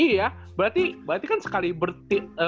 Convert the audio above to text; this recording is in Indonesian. iya berarti kan sekali berarti